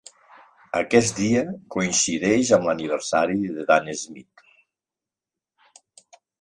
Aquest dia, coincideix amb l'aniversari de Dan Smith.